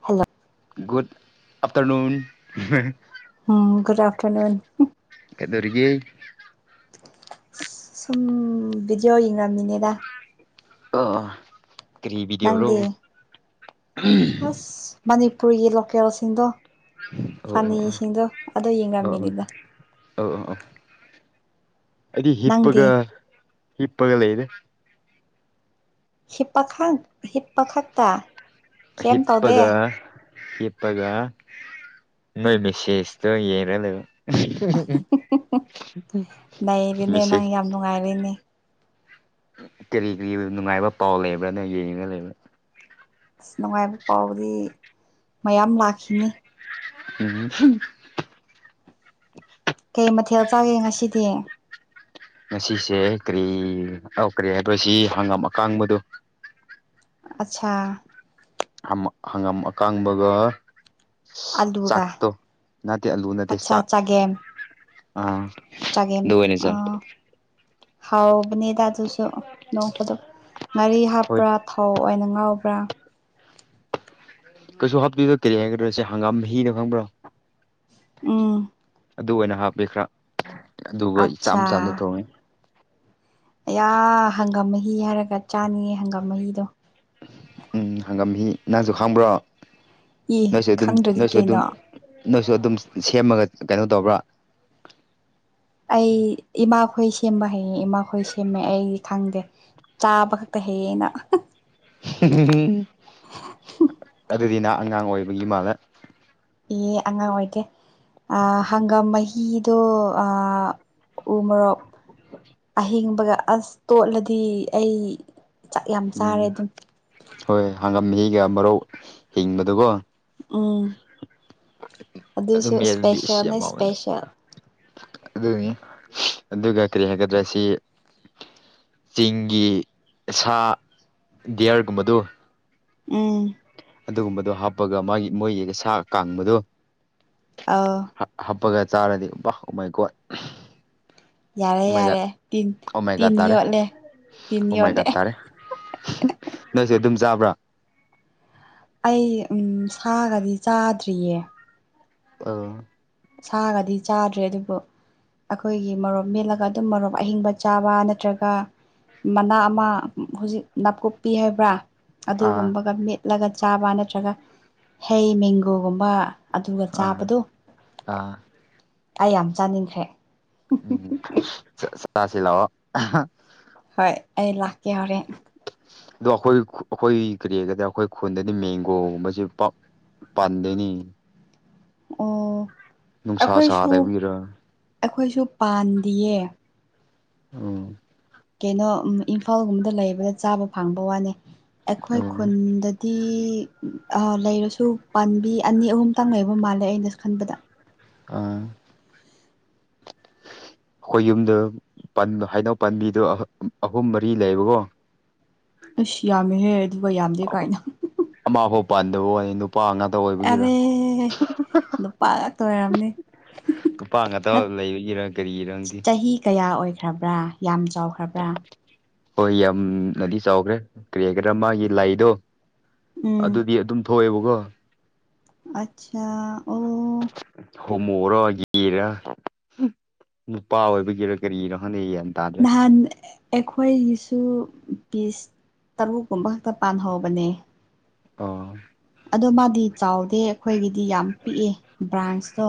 Hello good afternoon um good afternoon ꯀꯗꯧꯔꯤꯒꯦ ꯁꯨꯝ video ꯌꯦꯡꯉꯝꯃꯤꯅꯦꯗ ꯑꯣ ꯀꯔꯤ ꯕꯤꯗꯤꯑꯣꯔꯣ ꯅꯪꯗꯤ ꯑꯁ ꯃꯅꯤꯄꯨꯔꯒꯤ ꯂꯣꯀꯦꯜꯁꯤꯡꯗꯣ ꯑꯣ ꯑꯣ ꯐꯅꯤꯁꯤꯡꯗꯣ ꯑꯗꯣ ꯑꯣ ꯑꯣ ꯌꯦꯡꯉꯝꯃꯤꯅꯤꯗ ꯑꯣ ꯑꯣ ꯑꯩꯗꯤ ꯅꯪꯗꯤ ꯍꯤꯞꯄꯒ ꯍꯤꯞꯄꯒ ꯂꯩꯔ‌ꯦ ꯍ‌ꯦ ꯄꯥꯈꯪ ꯍꯤꯞꯄ ꯈꯛꯇ ꯀꯩꯝ ꯇꯧꯗꯦ ꯍꯤꯞꯄꯒ ꯍꯤꯞꯄꯒ ꯅꯣꯏ ꯃꯦꯁꯦꯁꯇꯣ ꯌꯦꯔ ꯂꯩꯕ ꯃꯤꯁꯦ ꯅꯨꯡꯉꯥꯏꯔ‌ꯦꯅ‌ꯦ ꯀꯔꯤ ꯀꯔꯤ ꯅꯨꯡꯉꯥꯏꯕ ꯄꯥꯎ ꯂꯩꯕ꯭ꯔꯥꯅ ꯌꯦꯡꯉꯅ ꯂꯩꯕ꯭ꯔꯥ ꯑꯁ ꯅꯨꯡꯉꯥꯏꯕ ꯄꯥꯎꯗꯤ ꯃꯌꯥꯝ ꯂꯥꯛꯈꯤꯅꯤ ꯎꯝ ꯍꯨꯝ ꯀꯩ ꯃꯊꯦꯜ ꯆꯥꯒꯦ ꯉꯁꯤꯗꯤ ꯉꯁꯤꯁꯦ ꯀꯔꯤ ꯑꯧ ꯀꯔꯤ ꯍꯥꯏꯕ ꯁꯤ ꯍꯪꯉꯝ ꯑꯀꯥꯡꯕꯗꯣ ꯑꯆꯁꯥ ꯍꯃ ꯍꯪꯒꯥꯝ ꯑꯀꯥꯡꯕꯒ ꯑꯂꯨꯒ ꯆꯥꯛꯇꯣ ꯅꯠꯇꯦ ꯑꯂꯨ ꯅꯠꯇꯦ ꯑꯠꯁꯥ ꯆꯥꯛ ꯑꯥ ꯆꯒ‌ꯦꯝ ꯑꯗꯨ ꯑꯣꯏꯅ ꯑ ꯆꯥꯏ ꯍꯥꯎꯕꯅꯤꯗ ꯑꯗꯨꯁꯨ ꯅꯣꯡꯄꯗꯣ ꯉꯥꯔꯤ ꯍꯣꯏ ꯍꯥꯞꯄ꯭ꯔꯥ ꯊꯥꯎ ꯑꯣꯏꯅ ꯉꯥꯎꯕ꯭ꯔꯥ ꯀꯩꯁꯨ ꯍꯥꯞꯇ‌ꯦꯗ ꯀꯔꯤ ꯍꯥꯏꯒꯗ꯭ꯔꯣꯁꯦ ꯍꯪꯒꯥꯝ ꯃꯍꯤꯗ ꯈꯪꯕ꯭ꯔꯥ ꯎꯝ ꯑꯗꯨ ꯑꯣꯏꯅ ꯍꯥꯞꯄꯤ ꯈꯔ ꯑꯗꯨꯒ ꯏꯝ ꯑꯠꯆꯥ ꯆꯥꯝꯅ ꯊꯣꯡꯉꯤ ꯑꯌꯥ ꯍꯪꯒꯥꯝ ꯃꯍꯤ ꯍꯥꯏꯔꯒ ꯆꯥꯅꯤꯡꯉꯦ ꯍꯪꯒꯥꯝ ꯃꯍꯤꯗꯣ ꯎꯝ ꯍꯪꯒꯥꯝ ꯃꯍꯤ ꯅꯪꯁꯨ ꯈꯥꯡꯕ꯭ꯔꯣ ꯏ ꯅꯣꯏꯁꯨ ꯑꯗꯨꯝ ꯈꯪꯗ꯭ꯔꯗꯤ ꯅꯣꯏꯁꯨ ꯀꯩꯅꯣ ꯑꯗꯨꯝ ꯅꯣꯏꯁꯨ ꯑꯗꯨꯝ ꯁꯦꯝꯃꯒ ꯀꯩꯅꯣ ꯇꯧꯕ꯭ꯔꯥ ꯑꯩ ꯏꯃꯥꯈꯣꯏ ꯁꯦꯝꯕ ꯍꯩꯌꯦ ꯏꯃꯥꯈꯣꯏ ꯁꯦꯝꯃꯦ ꯑꯩꯗꯤ ꯈꯪꯗꯦ ꯆꯥꯕ ꯈꯛꯇ ꯍꯩꯌ‌ꯦ ꯑꯩꯅ ꯑꯗꯨꯗꯤ ꯅꯪ ꯑꯉꯥꯡ ꯑꯣꯏꯕꯒꯤ ꯃꯥꯜꯂ‌ꯦ ꯏ ꯑꯉꯥꯡ ꯑꯣꯏꯗꯦ ꯑ ꯍꯪꯒꯥꯝ ꯃꯍꯤꯗꯣ ꯑ ꯎ ꯃꯣꯔꯣꯛ ꯑꯍꯤꯡꯕꯒ ꯑꯁ ꯇꯣꯠꯂꯗꯤ ꯑꯩ ꯆꯥꯛ ꯌꯥꯝ ꯎꯝ ꯆꯥꯔꯦ ꯑꯗꯨꯝ ꯍꯣꯏ ꯍꯥꯡꯒꯥꯝ ꯃꯍꯤꯒ ꯃꯔꯧ ꯍꯤꯡꯕꯗꯨꯒꯣ ꯎꯝ ꯑꯗꯨ ꯑꯗꯨꯁꯨ ꯃꯦꯜꯂꯗꯤ ꯏꯁ ꯁꯄꯦꯁꯜꯅꯦ ꯌꯥꯝ ꯍꯥꯎꯕꯅꯦ ꯁꯄꯦꯁꯜ ꯑꯗꯨꯅꯤ ꯑꯗꯨꯒ ꯀꯔꯤ ꯍꯥꯏꯒꯗ꯭ꯔꯥ ꯁꯤ ꯆꯤꯡꯒꯤ ꯁꯥ ꯗꯤꯌꯥꯔꯒꯨꯝꯕꯗꯨ ꯎꯝ ꯑꯗꯨꯒꯨꯝꯕꯗꯣ ꯍꯥꯞꯄꯒ ꯃꯥꯒꯤ ꯃꯣꯏꯒꯤꯒ ꯁꯥ ꯀꯥꯡꯕꯗꯣ ꯑꯥꯎ ꯍꯥꯞꯄꯒ ꯆꯥꯔꯗꯤ ꯕꯥ ꯑ‌ꯣ ꯃꯥꯏ ꯒ‌ꯣꯠ ꯌꯥꯔꯦ ꯑꯣꯃꯥꯏꯒꯥꯠ ꯌꯥꯔꯦ ꯇꯤꯟ ꯇꯤꯟ ꯑꯣꯃꯥꯏꯒꯥꯠ ꯇꯥꯔꯦ ꯌꯣꯠꯂꯦ ꯇꯤꯟ ꯌꯣꯠꯂꯦ ꯑꯣꯃꯥꯏꯒꯥꯠ ꯇꯥꯔꯦ ꯅꯪꯁꯦ ꯑꯗꯨꯝ ꯆꯥꯕ꯭ꯔꯥ ꯑꯩ ꯎꯝ ꯁꯥꯒꯗꯤ ꯆꯥꯗ꯭ꯔꯤꯌꯦ ꯑꯥ ꯁꯥꯒꯗꯤ ꯆꯥꯗ꯭ꯔꯤ ꯑꯗꯨꯕꯨ ꯑꯩꯈꯣꯏꯒꯤ ꯃꯣꯔꯣꯛꯞ ꯃꯦꯠꯂꯒ ꯑꯗꯨꯝ ꯃꯣꯔꯣꯛ ꯑꯍꯤꯡꯕ ꯆꯥꯕ ꯅꯠꯇ꯭ꯔꯒ ꯃꯅꯥ ꯑꯃ ꯍꯧꯖꯤꯛ ꯅꯥꯀꯨꯞꯄꯤ ꯍꯥꯏꯕ꯭ꯔꯥ ꯑꯥ ꯑꯗꯨꯒꯨꯝꯕꯒ ꯃꯤꯠꯂꯒ ꯆꯥꯕ ꯅꯠꯇ꯭ꯔꯒ ꯍꯩ ꯃꯦꯡꯒ‌ꯣ ꯒꯨꯝꯕ ꯑꯗꯨꯒ ꯑꯥ ꯆꯥꯕꯗꯣ ꯑꯥ ꯑꯩ ꯌꯥꯝ ꯆꯥꯅꯤꯡꯈ꯭ꯔꯦ ꯎꯝ ꯆꯥꯁꯤ ꯂꯥꯑꯣ ꯍꯣꯏ ꯑꯩ ꯂꯥꯛꯀꯦ ꯍꯣꯔꯦꯟ ꯑꯗꯣ ꯑꯩꯈꯣꯏ ꯑꯩꯈꯣꯏ ꯀꯔꯤ ꯍꯥꯏꯒꯗꯔ ꯑꯩꯈꯣꯏ ꯈꯨꯟꯗꯗꯤ ꯃꯦꯡꯒꯣꯒꯨꯝꯕꯕꯁꯤ ꯄꯥꯛ ꯄꯥꯟꯗꯦꯅꯤ ꯑꯣ ꯅꯨꯡꯁꯥ ꯑꯩꯈꯣꯏꯁꯨ ꯁꯥꯗꯕꯤꯔ ꯑꯩꯈꯣꯏꯁꯨ ꯄꯥꯟꯗꯌꯦ ꯎꯝ ꯀꯩꯅꯣ ꯏꯝꯐꯥꯜꯒꯨꯝꯕꯗ ꯂꯩꯕꯅ ꯆꯥꯕ ꯐꯪꯕ ꯋꯥꯅꯤ ꯑꯩꯈꯣꯏ ꯎꯝ ꯈꯨꯟꯗ ꯇꯤ ꯑꯥ ꯂꯩꯔꯁꯨ ꯄꯥꯝꯕꯤ ꯑꯅꯤ ꯑꯍꯨꯝꯇꯪ ꯂꯩꯕ ꯃꯥꯜꯂꯦ ꯑꯩꯅꯁꯨ ꯈꯟꯕꯗ ꯑꯥ ꯑꯈꯣꯏ ꯌꯨꯝꯗ ꯄꯟ ꯍꯩꯅꯧ ꯄꯥꯝꯕꯤꯗꯣ ꯑꯍꯨꯝ ꯃꯔꯤ ꯂꯩꯕꯒꯣ ꯑꯁ ꯌꯥꯝꯃꯦꯍꯦ ꯑꯗꯨꯒ ꯌꯥꯝꯗꯦ ꯀꯥꯏꯅ ꯑꯃꯐꯥꯎ ꯄꯥꯟꯗꯕ ꯋꯥꯅꯤ ꯅꯨꯄꯥ ꯉꯥꯛ ꯑꯥꯔꯦ ꯅꯨꯄꯥ ꯉꯥꯛꯇꯥ ꯑꯣꯏꯔꯝꯅꯤ ꯅꯨꯄꯥ [unintelligible] ꯉꯥꯛꯇ ꯂꯩꯕꯒꯤꯔ ꯀꯔꯤꯒꯤꯔ ꯈꯪꯗꯦ ꯆꯍꯤ ꯀꯌꯥ ꯑꯣꯏ ꯈ꯭ꯔꯕ꯭ꯔꯥ ꯌꯥꯝ ꯆꯥꯎꯈ꯭ꯔꯕ꯭ꯔꯥ ꯍꯣꯏ ꯌꯥꯝꯅꯗꯤ ꯆꯥꯎꯒ꯭ꯔꯦ ꯀꯔꯤꯒꯦꯔꯥ ꯃꯥꯒꯤ ꯂꯥꯏꯗꯣ ꯎꯝ ꯑꯗꯨꯗꯤ ꯑꯗꯨꯝ ꯊꯣꯛꯑꯦꯕꯀꯣ ꯑꯆꯥ ꯑꯣ ꯍꯣꯝꯃꯣꯔꯥ ꯒꯦꯔꯥ ꯍꯝ ꯅꯨꯄꯥ ꯑꯣꯏꯕꯒꯤꯔꯥ ꯀꯔꯤꯔꯥ ꯈꯪꯗꯦ ꯌꯥꯟ ꯇꯥ ꯍꯥꯟ ꯑꯩꯈꯣꯏꯒꯤꯁꯨ ꯄꯤꯁ ꯇꯔꯨꯛꯀꯨꯝꯕ ꯈꯛꯇ ꯄꯥꯟꯍꯧꯕꯅꯦ ꯑꯣ ꯑꯗꯣ ꯃꯥꯗꯤ ꯆꯥꯎꯗꯦ ꯑꯩꯈꯣꯏꯒꯤꯗꯤ ꯌꯥꯝ ꯄꯤꯛꯑꯦ ꯕ꯭ꯔꯥꯟꯁꯇꯣ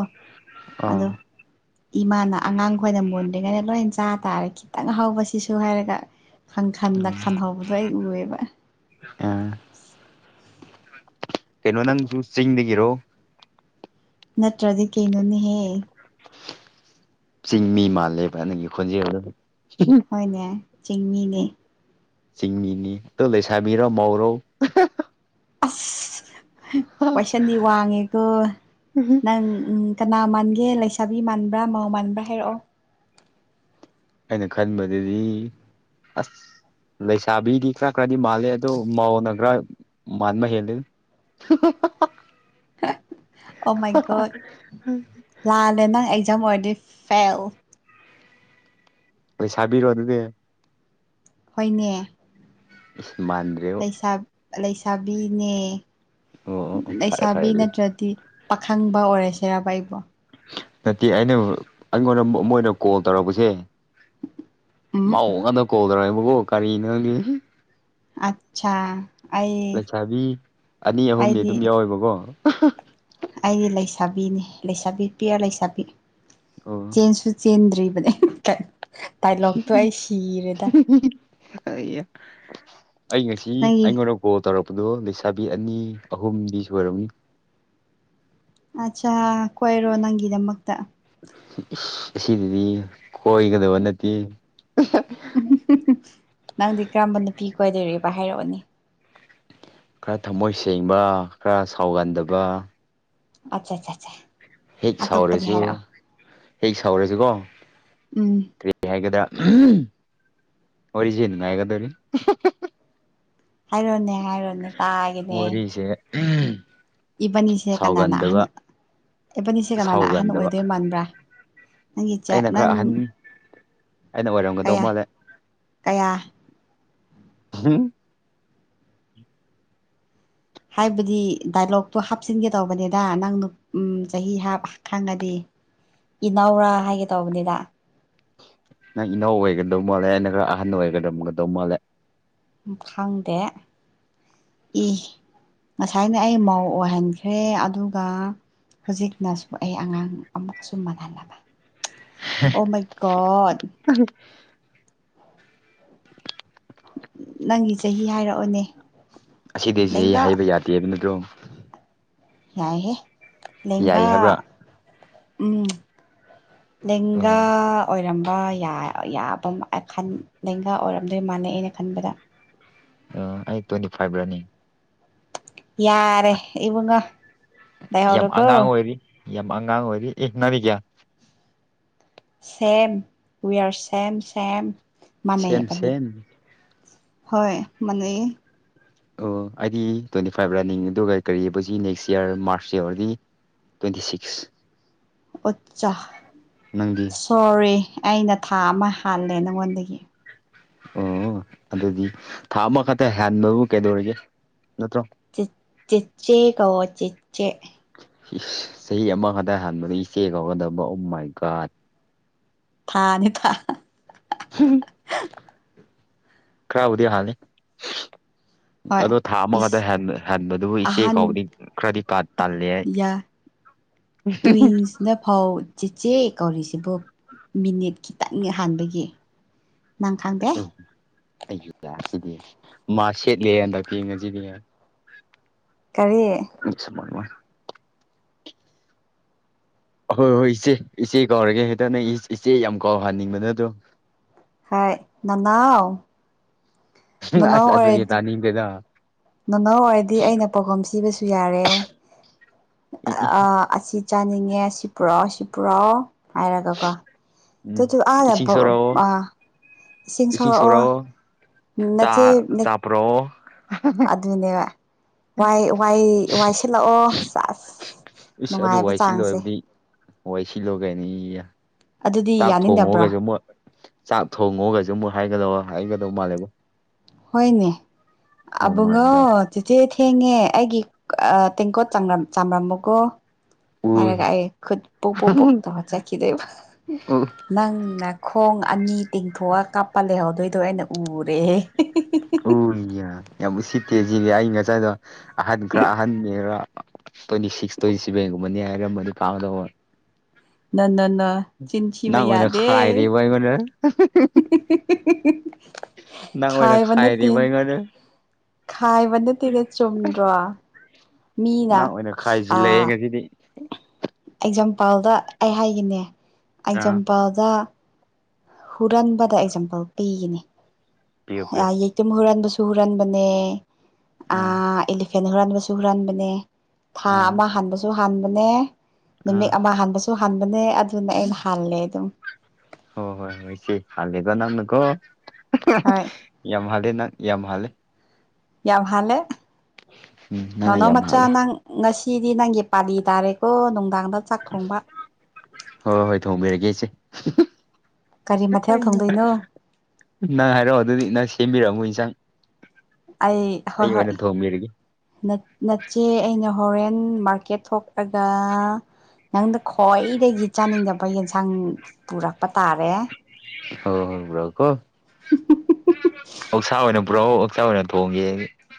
ꯑꯗꯣ [inaudible] ꯏꯃꯥꯅ ꯑꯉꯥꯡ ꯈꯣꯏꯅ ꯃꯨꯗ꯭ꯔꯤꯉꯩꯗ ꯂꯣꯏ ꯆꯥ ꯇꯥꯔꯦ ꯈꯤꯇꯪ ꯍꯧꯕꯁꯤꯁꯨ ꯍꯥꯏꯔꯒ ꯈꯟꯈꯟꯗ ꯈꯟꯍꯧꯕꯗꯣ ꯑꯩ ꯎꯏꯕ ꯑꯥ ꯀꯩꯅꯣ ꯅꯪꯁꯨ ꯆꯤꯡꯗꯒꯤꯔꯣ ꯅꯠꯇ꯭ꯔꯗꯤ ꯀꯩꯅꯣꯅꯦꯍꯦ ꯆꯤꯡꯃꯤ ꯃꯥꯜꯂꯦꯕ ꯅꯪꯒꯤ ꯈꯣꯟꯖꯦꯜꯗꯨ ꯍꯣꯏꯅꯦ ꯆꯤꯡꯃꯤꯅꯦ ꯆꯤꯡꯃꯤꯅꯤ ꯇꯣ ꯂꯩꯁꯥꯕꯤꯔꯣ ꯃꯧꯔꯣ ꯑꯁ ꯄꯣꯏꯁꯟꯗꯤ ꯋꯥꯡꯉꯦꯀꯣ ꯅꯪ ꯎꯝ ꯀꯅꯥ ꯃꯥꯟꯒꯦ ꯂꯩꯁꯥꯕꯤ ꯃꯥꯟꯕ꯭ꯔꯥ ꯃꯥꯎ ꯃꯥꯟꯕ꯭ꯔꯥ ꯍꯥꯏꯔꯛꯑꯣ ꯑꯩꯅ ꯈꯟꯕꯗꯗꯤ ꯑꯁ ꯂꯩꯁꯥꯕꯤꯗꯤ ꯈꯔ ꯈꯔꯗꯤ ꯃꯥꯜꯂꯦ ꯑꯗꯣ ꯃꯧꯅ ꯈꯔ ꯃꯥꯟꯕ ꯍꯦꯜꯂꯤ [unintelligible] ꯑꯣ ꯃꯥꯏ ꯒꯣꯠ ꯂꯥꯜꯂꯦ ꯅꯪ ꯑꯦꯛꯖꯥꯝ ꯑꯣꯏꯔꯗꯤ ꯐꯦꯜ ꯂꯩ ꯁꯥꯕꯤꯔꯣ ꯑꯗꯨꯗꯤ ꯍꯣꯏꯅꯦ ꯃꯥꯟꯗꯦ ꯂꯩꯁꯥꯕꯤꯅꯦ ꯑꯣ ꯑꯣ ꯑꯣ ꯐꯔꯦ ꯐꯔꯦ ꯂꯩꯁꯥꯕꯤ ꯑꯗꯨꯗꯤ ꯅꯠꯇ꯭ꯔꯗꯤ ꯄꯥꯈꯪꯕ ꯑꯣꯏꯔꯁꯤꯔꯕ ꯑꯩꯕꯣ ꯅꯠꯇꯦ ꯑꯩꯅ ꯑꯩꯉꯣꯟꯗ ꯃꯣꯏꯅ ꯀꯣꯜ ꯇꯧꯔꯛꯄꯁꯦ ꯎꯝ ꯃꯧ ꯉꯥꯛꯗ ꯀꯣꯜ ꯗꯧꯔꯦꯕꯀꯣ ꯀꯔꯤꯅꯣ ꯍꯪꯗꯦ ꯑꯠꯁꯥ ꯂꯩꯁꯥꯕꯤ ꯑꯅꯤ ꯑꯍꯨꯝꯅꯤ ꯑꯗꯨꯝ ꯌꯥꯎꯋꯦꯕꯀꯣ ꯑꯩ ꯂꯩꯁꯥꯕꯤꯅꯤ ꯂꯩꯁꯥꯕꯤ ꯄꯤꯌꯔ ꯂꯩꯁꯥꯕꯤ ꯑꯣ ꯆꯦꯟꯁꯨ ꯆꯦꯟꯗ꯭ꯔꯤꯕꯅꯦ ꯗꯥꯏꯂꯣꯛꯇꯣ ꯑꯩ ꯁꯤꯔꯦꯗ ꯑꯩꯌꯥ ꯑꯩ ꯉꯁꯤ ꯅꯪꯒꯤ ꯑꯩꯉꯣꯔꯣꯛ ꯀꯣꯜ ꯇꯧꯔꯛꯄꯗꯣ ꯂꯩꯁꯥꯕꯤ ꯑꯅꯤ ꯑꯍꯨꯝꯗꯤ ꯁꯨꯔꯝꯅꯤ ꯑꯠꯁꯥ ꯀꯣꯏꯔꯣ ꯅꯪꯒꯤꯗꯃꯛꯇꯥ ꯏꯁ ꯑꯁꯤꯗꯗꯤ ꯀꯣꯏꯒꯗꯕ ꯅꯠꯇꯦ ꯅꯪꯗꯤ ꯀꯔꯝꯕ ꯅꯨꯄꯤ ꯀꯥꯏꯗꯣꯏꯔꯤꯕ ꯍꯥꯏꯔꯛꯑꯣꯅꯤ ꯈꯔ ꯊꯝꯃꯣꯏ ꯁꯦꯡꯕ ꯈꯔ ꯁꯥꯎꯒꯟꯗꯕ ꯑꯆꯥ ꯑꯆꯥꯆꯥ ꯍꯦꯛ ꯁꯥꯎꯔꯁꯨ ꯍꯦꯛ ꯁꯥꯎꯔꯁꯨꯀꯣ ꯎꯝ ꯀꯩ ꯍꯥꯏꯒ‌ꯦꯗ ꯋꯥꯔꯤꯖꯦ ꯅꯨꯜꯉꯥꯏꯒꯗꯧꯔꯤ ꯍꯥꯏꯔꯣꯅꯦ ꯍꯥꯏꯔꯣꯅꯦ ꯇꯥꯒꯦꯅꯦ ꯋꯥꯔꯤꯖ‌ꯦ ꯑꯝ ꯏꯕꯥꯅꯤꯁꯦ ꯀꯅꯥꯅ ꯑꯍꯟ ꯏꯕꯥꯅꯤꯁꯦ ꯀꯅꯥꯅ ꯑꯍꯟ ꯁꯥꯎꯒꯟꯗꯕ ꯑꯣꯏꯗꯣꯏ ꯃꯥꯟꯕꯔꯥ ꯅꯪꯒꯤ ꯆꯥ ꯑꯩꯅ ꯈꯔ ꯅꯪ ꯑꯍꯟ ꯑꯩꯅ ꯑꯣꯏꯔꯝꯒꯗꯧ ꯀꯌꯥ ꯃꯥꯜꯂꯦ ꯀꯌꯥ ꯍꯥꯏꯕꯗꯤ ꯗꯥꯏꯂꯣꯛꯇꯣ ꯍꯥꯞꯆꯤꯟꯒꯦ ꯇꯧꯕꯅꯦꯗ ꯅꯪ ꯗꯨ ꯎꯝ ꯆꯍꯤ ꯍꯥꯞ ꯈꯪꯉꯗꯤ ꯏꯅꯥꯎꯔꯥ ꯍꯥꯏꯒꯦ ꯇꯧꯕꯅꯤꯗ ꯅꯪ ꯏꯅꯥꯎ ꯑꯣꯏꯒꯗꯧ ꯃꯥꯜꯂꯦ ꯅ ꯈꯔ ꯑꯍꯟ ꯑꯣꯏꯒꯗꯧꯒꯗꯧ ꯃꯥꯜꯂꯦ ꯈꯪꯗꯦ ꯏ ꯉꯁꯥꯏꯅ ꯑꯩ ꯃꯧ ꯑꯣꯏꯍꯟꯈ꯭ꯔꯦ ꯑꯗꯨꯒ ꯍꯧꯖꯤꯛꯅꯁꯨ ꯑꯩ ꯑꯉꯥꯡ ꯑꯃꯨꯛꯀꯁꯨ ꯃꯅꯍꯜꯂꯝꯃꯦ ꯑꯣ ꯃꯥꯏ ꯒꯣꯗ [unintelligible] [inaudible] ꯅꯪꯒꯤ ꯆꯍꯤ ꯍꯥꯏꯔꯛꯑꯣꯅꯦ ꯑꯁꯤꯗꯩ ꯆꯍꯤ ꯂꯦꯡꯒꯥ ꯍꯥꯏꯕ ꯌꯥꯗꯦ ꯑꯗꯨ ꯅꯠꯇ꯭ꯔꯣ ꯌꯥꯏꯍꯦ ꯌꯥꯏ ꯂ‌ꯦꯡꯒꯥ ꯍꯥꯏꯕ꯭ꯔꯥ ꯎꯝ ꯂ‌ꯦꯡꯒꯥ ꯑꯣ ꯑꯣꯏꯔꯝꯕ ꯌ ꯌ ꯌꯥꯕ ꯂꯦꯡꯒꯥ ꯑꯣꯏꯔꯝꯗꯣꯏ ꯃꯥꯜꯂꯦ ꯑꯩꯅ ꯈꯟꯕꯗ ꯑ ꯑꯩ ꯇ꯭ꯋꯦꯟꯇꯤ ꯐꯥꯏꯚ ꯔꯅ‌ꯦ ꯌꯥꯔꯦ ꯏꯕꯨꯡꯉ‌‌ꯣ ꯌꯥꯝ ꯂꯍꯧꯔ‌ꯣꯀꯣ ꯑꯉꯥꯡ ꯑꯣꯏꯔꯤ ꯌꯥꯝ ꯑꯉꯥꯡ ꯑꯣꯏꯔꯤ ꯑ‌ꯦ ꯅꯪꯗꯤ ꯀꯌꯥ ꯁꯦꯝ ꯋꯤꯌꯔ ꯁꯦꯝ ꯁꯦꯝ ꯃꯥꯟꯅꯩ ꯁꯦꯝ ꯍꯥꯏꯕꯅ‌ꯦ ꯁꯦꯝ ꯍꯣꯏ ꯃꯥꯟꯅꯩꯌ‌ꯦ ꯑꯣ ꯑꯩꯗꯤ ꯇ꯭ꯋꯦꯟꯇꯤ ꯐꯥꯏꯚ ꯔꯟꯅꯤꯡ ꯑꯗꯨꯒ ꯀꯔꯤꯖꯤ ꯅꯦꯛꯁ ꯌꯔ ꯃꯥꯔꯁ ꯌꯧꯔꯗꯤ ꯇ꯭ꯋꯦꯟꯇꯤ ꯁꯤꯛꯁ ꯑꯆꯥ ꯅꯪꯗꯤ ꯁꯣꯔꯤ ꯑꯩꯅ ꯊꯥ ꯑꯃ ꯍꯥꯜꯂꯦ ꯅꯪꯉꯣꯟꯗꯒꯤ ꯑꯣ ꯑꯗꯨꯗꯤ ꯊꯥ ꯑꯃꯈꯛꯇ ꯍꯥꯟꯕꯕꯨ ꯀꯩꯗꯧꯔꯤꯒꯦ ꯅꯠꯇ꯭ꯔꯣ ꯆꯤꯠ ꯆꯤꯠꯆꯦ ꯀꯧꯑꯣ ꯆꯤꯠꯆꯦ ꯆꯍꯤ ꯑꯃ ꯈꯛꯇ ꯍꯥꯟꯕꯗ ꯏꯆꯦ ꯀꯧꯒꯗꯕ ꯑ‌ꯣꯃꯥꯏ ꯒ‌ꯣꯠ ꯊꯥꯅꯤ ꯊꯥ ꯈꯔꯕꯨꯗꯤ ꯍꯥꯜꯂꯤ ꯍꯣꯏ ꯑꯗꯣ ꯊꯥ ꯏꯁ ꯑꯃꯈꯛꯗ ꯍꯦꯟꯕꯗꯨꯕꯨ ꯏꯆꯦ ꯑꯍꯥꯟ ꯀꯧꯕꯗꯤ ꯏꯆ‌ꯦ ꯈꯔꯗꯤ ꯇꯥꯜꯂꯤꯍ‌ꯦ [unintelligible] [unintelligible] ꯅꯐꯧ ꯆꯦꯆꯦ ꯀꯧꯔꯤꯁꯤꯕꯨ ꯃꯤꯅꯤꯠ ꯈꯤꯇꯪ ꯍꯥꯟꯕꯒꯤ ꯅꯪ ꯈꯪꯗꯦ ꯑꯩ ꯑꯩꯖꯨ ꯁꯤꯗꯤ ꯃꯥ ꯁꯦꯠꯂꯦ ꯍꯟꯗꯛꯇꯤ ꯉꯁꯤꯗꯤ ꯀꯔꯤ [unintelligible] ꯑ ꯍꯣꯏ ꯍꯣꯏ ꯏꯆꯦ ꯏꯆꯦ ꯀꯥꯎꯔꯒꯦ ꯍꯦꯛꯇ ꯅꯪ ꯏꯆꯦ ꯌꯥꯝ ꯀꯥꯎꯍꯟꯅꯤꯡꯕ ꯅꯠꯇꯔ‌ꯣ ꯍ‌ꯣꯏ ꯅꯅꯥꯎ ꯅꯅꯥꯎ ꯑꯁ ꯑꯗꯨꯗꯤ ꯑꯣꯏꯔꯗꯤ ꯇꯥꯅꯤꯡꯗꯦꯗ ꯅꯅꯥꯎ ꯑꯣꯏꯔꯗꯤ ꯑꯩꯅ ꯄꯥꯈ‌ꯣꯟ ꯁꯤꯕꯁꯨ ꯌꯥꯔꯦ ꯏ ꯏ ꯑ ꯑꯁꯤ ꯆꯥꯅꯤꯡꯉꯦ ꯑꯁꯤ ꯄꯨꯔꯛꯑꯣ ꯁꯤ ꯄꯨꯔꯛꯑꯣ ꯍꯥꯏꯔꯒꯀꯣ ꯎꯝ ꯏꯁꯤꯡ ꯁꯣꯔꯛꯑꯣ [unintelligible] ꯏꯁꯤꯡ ꯁꯣꯔꯛꯑꯣ ꯅꯆꯦ ꯄꯔꯣ ꯑꯗꯨꯅꯦꯕ ꯋꯥꯏ ꯋꯥꯏ ꯋꯥꯏ ꯁꯤꯜꯂꯛꯑꯣ ꯁꯦꯁ ꯏꯁꯁ ꯑꯗꯨ ꯋꯥꯏ ꯁꯤꯠ ꯂꯣꯏꯔꯕꯗꯤ ꯍꯣꯏ ꯁꯤꯜꯂꯨꯒꯅꯤꯌꯦ ꯑꯗꯨꯗꯤ ꯆꯥꯛ ꯌꯥꯅꯤꯡꯗꯕ꯭ꯔꯣ ꯊꯣꯡꯉꯣꯒꯥꯏꯁꯨ ꯃꫭꯏ ꯆꯥꯛ ꯊꯣꯡꯉꫭꯒꯁꯨ ꯃꫭꯏ ꯍꯥꯏꯒꯗꯧꯕ ꯍꯥꯏꯒꯗꯧ ꯃꯥꯜꯂꯦꯕꫭ ꯍꫭꯏꯅꯦ ꯑꯣ ꯃꯥꯏ ꯒꯣꯠ ꯑꯕꯨꯡꯉꫭ ꯆꯦꯆꯦ ꯊꯦꯡꯉꯦ ꯑꯩꯒꯤ ꯑꯥ ꯇꯦꯡꯀꯣꯠ ꯆꯥꯝꯔꯝ ꯆꯥꯝꯔꯝꯃꯣꯀꯣ ꯍꯥꯏꯔꯒ ꯎꯏ ꯑꯩ ꯈꯨꯠ ꯄꯨꯛ ꯄꯨꯛ ꯄꯣꯛ ꯇꯧꯔ ꯆꯠꯈꯤꯗꯣꯏꯕ ꯎ ꯅꯪꯅ ꯅꯈꯣꯡ ꯑꯅꯤ ꯇꯤꯡꯊꯣꯛꯑ ꯀꯥꯞꯄ ꯂꯩꯍꯧꯗꯣꯏꯗꯣ ꯑꯩꯅ ꯎꯔꯦꯍꯦ ꯎꯏꯌꯦ ꯌꯥꯝ ꯎꯁꯤꯠꯇꯦ ꯁꯤꯗꯤ ꯑꯩ ꯉꯁꯥꯏꯗꫭ ꯑꯍꯟ ꯈꯔꯥ ꯑꯍꯟꯅꯦ ꯈꯔ ꯇ꯭ꯋꯦꯟꯇꯤ ꯁꯤꯛꯁ ꯇ꯭ꯋꯦꯟꯇꯤ ꯁꯚꯦꯟꯒꯨꯝꯕꯅꯤ ꯍꯥꯏꯔꯝꯃꯗꯤ ꯐꯥꯒꯗꯕ ꯅꯥ ꯅꯥ ꯅꯥ ꯅꯪ ꯑꫭꯏꯅ ꯈꯥꯏꯔꯤꯕ꯭ꯔꫭ ꯑꯩꯉꯣꯟꯗ ꯅꯪ ꯑꫭꯏꯅ ꯈꯥꯏꯕ ꯅꯠꯇꯦ ꯈꯥꯏꯔꯤꯕ꯭ꯔꫭ ꯑꯩꯉꯣꯟꯗ ꯈꯥꯏꯕ ꯅꯠꯇꯦꯗ ꯆꯨꯝꯗ꯭ꯔꯣ ꯃꯤꯅ ꯅꯪ ꯑꯣꯏꯅ ꯈꯥꯏꯖꯤꯜ ꯂꯥꯛꯑꯦ ꯉꯁꯤꯗꯤ ꯑꯦꯛꯖꯥꯝꯄꯜꯗ ꯑꯩ ꯍꯥꯏꯒꯦꯅꯦ ꯑꯥ ꯑꯦꯛꯖꯥꯝꯄꯜꯗ ꯍꯨꯔꯟꯕꯗ ꯑꯦꯛꯖꯥꯝꯄꯜ ꯄꯤꯒꯦꯅꯦ ꯄꯤꯔꯣ ꯄꯤꯔꯣ ꯌꯦꯛꯇꯨꯝ ꯍꯨꯔꯟꯕꯁꯨ ꯍꯨꯔꯟꯕꯅꯦ ꯑꯥ ꯑꯦꯂ ꯐꯦꯟ ꯍꯨꯔꯟꯕꯁꯨ ꯍꯨꯔꯟꯕꯅꯦ ꯊꯥ ꯑꯥ ꯑꯃ ꯍꯥꯟꯕꯁꯨ ꯍꯥꯟꯕꯅꯦ ꯑꯥ ꯅꯨꯃꯤꯠ ꯑꯃ ꯍꯥꯟꯕꯁꯨ ꯁꯨ ꯍꯟꯕꯅꯦ ꯑꯗꯨꯅ ꯑꯩꯅ ꯍꯜꯂꯦ ꯑꯗꯨꯝ ꯍꯣꯏ ꯍꯣꯏ ꯍꯣꯏ ꯏꯆꯦ ꯍꯥꯜꯂꯦꯀꯣ ꯅꯪꯅꯀꯣ ꯍꯣꯏ ꯌꯥꯝ ꯍꯥꯜꯂꯦ ꯅꯪ ꯌꯥꯝ ꯍꯥꯜꯂꯦ ꯌꯥꯝ ꯍꯥꯜꯂꯦ ꯎꯝ ꯅꯪꯅ ꯅꯅꯥꯎ ꯌꯥꯝ ꯃꯆꯥ ꯍꯥꯜꯂꯦ ꯅꯪ ꯉꯁꯤꯗꯤ ꯅꯪꯒꯤ ꯄꯥꯂꯤ ꯇꯥꯔꯦꯀꯣ ꯅꯨꯡꯗꯥꯡꯗ ꯆꯥꯛ ꯊꯣꯡꯕ ꯍꯣꯏ ꯍꯣꯏ ꯊꯣꯡꯕꯤꯔꯒꯦ ꯏꯆꯦ ꯀꯔꯤ ꯃꯊꯦꯜ ꯊꯣꯡꯗꯣꯏꯅꯣ ꯅꯪ ꯍꯥꯏꯔꯛꯑꯣ ꯑꯗꯨꯗꯤ ꯅꯪ ꯁꯦꯝꯕꯤꯔꯛꯃꯣ ꯏꯟꯁꯥꯡ ꯑꯩ ꯍꯣꯏ ꯑꯩ ꯑꯣꯏꯅ ꯍꯣꯏ ꯊꯣꯡꯕꯤꯔꯒꯦ ꯅꯠꯆꯦ ꯑꯩꯅ ꯍꯣꯔꯦꯟ ꯃꯥꯔꯀꯦꯠ ꯊꯣꯛꯂꯒ ꯅꯪꯗ ꯈ꯭ꯋꯥꯏꯗꯒꯤ ꯆꯥꯅꯤꯡꯗꯕ ꯌꯦꯟꯁꯥꯡ ꯄꯨꯔꯛꯄ ꯇꯥꯔꯦ ꯍꯣꯏꯔꯥꯛꯀꯣ ꯑꯣꯛꯁꯥ ꯑꯣꯏꯅ ꯄꯨꯔꯛꯑꯣ ꯑꯣꯛꯆꯥꯥ ꯑꯣꯏꯅ ꯊꯣꯡꯒꯦ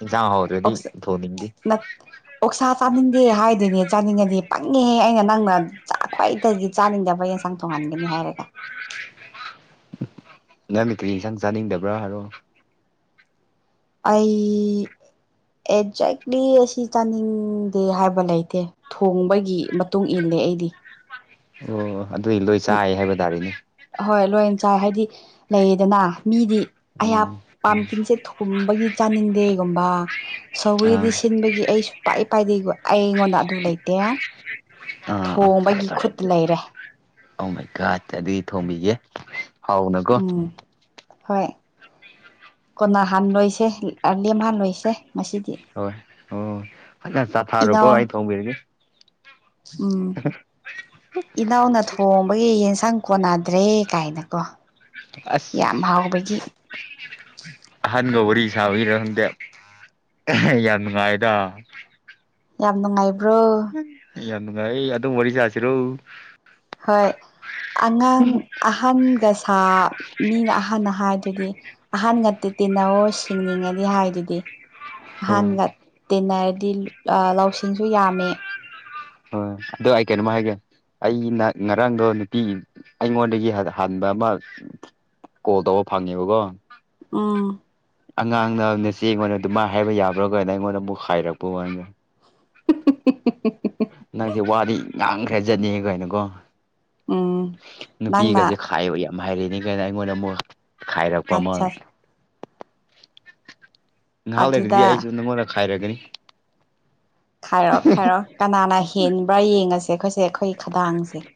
ꯏꯟꯁꯥꯡ ꯍꯥꯎꯗ꯭ꯔꯗꯤ ꯊꯣꯡꯅꯤꯡꯗꯦ [inaudible] ꯑꯣꯛꯁꯥ ꯆꯥꯅꯤꯡꯗꯦ ꯍꯥꯏꯗꯨꯏꯅꯦ ꯆꯥꯅꯤꯡꯉꯗꯤ ꯄꯪꯉꯦꯍꯦ ꯑꯩꯅ ꯅꯪꯅ ꯈ꯭ꯋꯥꯏꯗꯒꯤ ꯆꯥꯅꯤꯡꯗꯕ ꯌꯦꯟ ꯏꯟꯁꯥꯡ ꯊꫭꯡꯍꯟꯒꯅꯤ ꯍꯥꯏꯔꯒ ꯅꯪꯗꯤ ꯀꯔꯤ ꯏꯟꯁꯥꯡ ꯆꯥꯅꯤꯡꯗꯕ꯭ꯔꯥ ꯍꯥꯏꯔꯣ ꯑꯩ ꯑꯦꯛꯖꯦꯛꯂꯤ ꯑꯁꯤ ꯆꯥꯅꯤꯡꯗꯦ ꯍꯥꯏꯕ ꯂꯩꯇꯦ ꯊꯣꯡꯕꯒꯤ ꯃꯇꯨꯡ ꯏꯜꯂꯦ ꯑꯩꯗꯤ ꯑꯣ ꯑꯗꯨꯗꯤ ꯂꯣꯏ ꯆꯥꯏ ꯍꯥꯏꯕ ꯇꯥꯔꯦꯅꯦ ꯑꯍꯣꯏ ꯂꯣꯏꯅ ꯆꯥꯏ ꯍꯥꯏꯗꯤ ꯂꯩꯌꯦꯗꯅ ꯃꯤꯗꯤ ꯑꯩꯍꯥꯛ ꯎꯝ ꯄꯥꯝꯀꯤꯟꯁꯦ ꯊꯨꯝꯕꯒꯤ ꯆꯥꯅꯤꯡꯗꯦꯒꯨꯝꯕ ꯑꯥ ꯁꯧꯒꯔꯤꯗꯤ ꯁꯤꯟꯕꯒꯤ ꯑꯩꯁꯨ ꯄꯥꯏ ꯄꯥꯏꯗꯦ ꯑꯩ ꯑꯩꯉꯣꯟꯗ ꯑꯗꯨ ꯂꯩꯇꯦ꯫ ꯑꯥ ꯊꯣꯡꯕꯒꯤ ꯈꯨꯠꯇ ꯂꯩꯔꯦ꯫ ꯑꫭ ꯃꯥꯏ ꯒꫭꯠ ꯑꯗꯨꯗꯤ ꯊꯣꯡꯕꯤꯒꯦ ꯍꯥꯎꯅꯀꯣ ꯎꯝ ꯍꯣꯏ ꯀꫭꯟꯅꯥ ꯍꯥꯟ ꯂꯣꯏꯁꯦ ꯑ ꯂꯦꯝꯍꯥꯟ ꯂꯣꯏꯁꯦ ꯍꯣꯏ ꯍꯣꯏ ꯐꯖꯅ ꯏꯅꯥꯎ ꯆꯥꯊꯔꯨꯀꫭ ꯑꯩ ꯊꯣꯡꯕꯤꯔꯒꯦ꯫ ꯎꯝ꯫ ꯏꯅꯥꯎꯅ ꯊꯣꯡꯕꯒꯤ ꯌꯦꯟꯁꯥꯡ ꯀꯣꯟꯅꯗ꯭ꯔꯦ ꯀꯥꯏꯅ ꯀꯣ꯫ ꯑꯁ ꯌꯥꯝ ꯍꯥꯎꯕꯒꯤ꯫ ꯑꯍꯟꯒ ꯋꯥꯔꯤꯔꯤ ꯁꯥꯕꯩꯔ ꯈꯪꯗꯦ꯫ ꯌꯥꯝ ꯅꯨꯡꯉꯥꯏꯗ꯫ ꯌꯥꯝ ꯅꯨꯡꯉꯥꯏꯕ꯭ꯔꯣ꯫ ꯌꯥꯝ ꯅꯨꯡꯉꯥꯏꯑꯦ ꯑꯗꯨꯝ ꯋꯥꯔꯤ ꯁꯥꯥꯁꯤꯔꯣ꯫ ꯍꯣꯏ ꯑꯉꯥꯡ ꯑ ꯍꯟꯒ ꯁꯥ ꯃꯤꯅ ꯑꯍꯟꯅ ꯍꯥꯏꯗꯨꯗꯤ꯫ ꯑꯍꯟꯒ ꯇꯤ ꯇꯤꯟꯅꯑꯣ ꯁꯤꯡꯅꯤꯡꯑꯗꯤ ꯍꯥꯏꯗꯨꯗꯤ꯫ ꯍꯣꯏ ꯑꯍꯥꯟꯒ ꯇꯤꯟꯅꯔꯗꯤ ꯑꯥ ꯂꯧꯁꯤꯡꯁꯨ ꯌꯥꯝꯃꯦ꯫ ꯍꯣꯏ ꯑꯗꫭ ꯑꯩ ꯀꯩꯅꫭꯃ ꯍꯥꯏꯒꯦ꯫ ꯑꯩ ꯅ ꯉꯔꯥꯡꯗꯣ ꯅꯨꯄꯤ ꯑꯩꯉꯣꯟꯗꯒꯤ ꯍꯟꯕ ꯑꯃ ꯀꯣꯜ ꯇꯧꯕ ꯐꯪꯉꯦꯕꯀꯣ꯫ ꯎꯝ꯫ ꯑꯉꯥꯡꯅ ꯅꯆꯦ ꯑꯩꯉꯣꯟꯗ ꯑꯗꯨꯃꯥꯏ ꯍꯥꯏꯕ ꯌꯥꯕ꯭ꯔꯥ ꯒꯥꯏꯅ ꯑꯩꯉꯣꯟꯗ ꯑꯃꯨꯛ ꯍꯥꯏꯔꯛꯄ ꯋꯥꯅꯦꯗ꯫ ꯅꯪꯁꯦ ꯋꯥꯗꯤ ꯉꯥꯡꯈ꯭ꯔꯖꯠꯅꯤ ꯒꯥꯏꯅꯀꯣ ꯎꯝ ꯅꯨꯄꯤꯒꯁꯦ ꯅꯪꯅ ꯈ ꯈꯥꯏꯕ ꯌꯥꯝ ꯍꯩꯔꯤꯅꯤ ꯀꯥꯏꯅ ꯑꯩꯉꯣꯟꯗ ꯑꯃꯨꯛ ꯈꯥꯏꯔꯛꯄ ꯑꯃ꯫ ꯑꯠꯆꯥ ꯉꯍꯥꯛ ꯂꯩꯔꯗꯤ ꯑꯗꯨꯗ ꯑꯩꯁꯨ ꯅꯪꯉꯣꯟꯗ ꯈꯥꯏꯔꯒꯅꯤ꯫ ꯈꯥꯏꯔꯣ ꯈꯥꯏꯔꯣ ꯀꯅꯥꯅ ꯍꯦꯟꯕ꯭ꯔꯥ ꯌꯦꯡꯉꯁꯦ ꯑꯩꯈꯣꯏꯁꯦ ꯑꯩꯈꯣꯏꯒꯤ ꯈꯗꯥꯡꯁꯦ꯫